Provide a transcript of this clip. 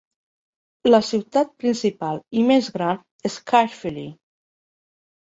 La ciutat principal i més gran és Caerphilly.